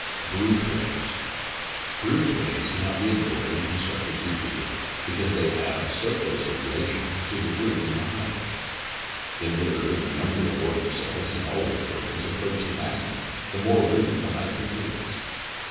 BROOD FRAMES Brood frames cannot be ignored in constructive beekeeping, because they have so close a relation to room in the hive. The nearer the number of worker cells in all the frames approach the maximum, the more room the hive contains.